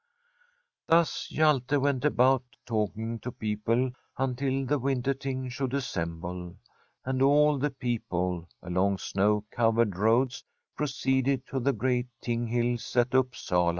Thus Hjalte went about talking to people until the Winter Ting should assemble, and all the people, along snow covered roads, proceeded to the great Ting Hills at Upsala.